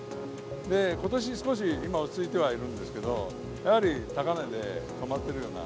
ことし、少し今、落ち着いてはいるんですけど、やはり高値で止まってるような。